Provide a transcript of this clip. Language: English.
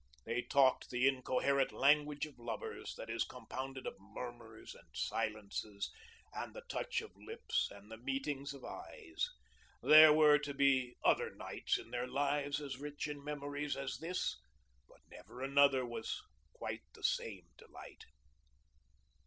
They talked the incoherent language of lovers that is compounded of murmurs and silences and the touch of lips and the meetings of eyes. There were to be other nights in their lives as rich in memories as this, but never another with quite the same delight.